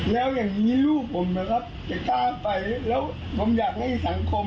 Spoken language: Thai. แล้วอย่างนี้ลูกผมนะครับจะกล้าไปแล้วผมอยากให้สังคม